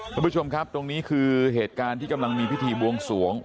คุณผู้ชมครับตรงนี้คือเหตุการณ์ที่กำลังมีพิธีบวงสวง